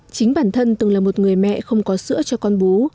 chính bản thân từng là một người mẹ không có sữa cho con bú